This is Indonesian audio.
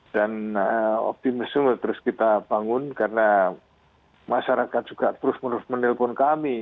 optimisme terus kita bangun karena masyarakat juga terus menerus menelpon kami